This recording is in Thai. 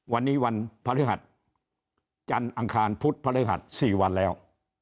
วันนี้วันพฤหัสจันทร์อังคารพุธพฤหัส๔วันแล้ว